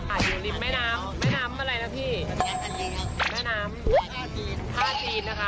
อยู่ริมแม่น้ำแม่น้ำอะไรนะพี่แม่น้ำท่าจีนท่าจีนนะคะ